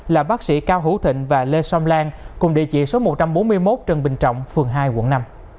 là bác sĩ cao hữu thịnh và lê song lan cùng địa chỉ số một trăm bốn mươi một trần bình trọng phường hai quận năm